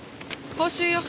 報酬よ。